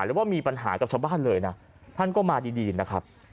หรือว่ามีปัญหากับชาวบ้านเลยนะท่านก็มาดีนะครับ